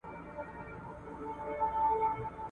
ته به ښايی د ښکلا ټوټې پیدا کړې ..